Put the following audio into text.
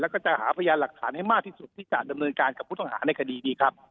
แล้วก็จะหาพยานหลักฐานให้มากที่สุดที่จะดำเนินการกับผู้ต้องหาในคดีนี้ครับ